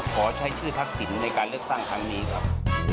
ขอใช้ชื่อทักษิณในการเลือกตั้งครั้งนี้ครับ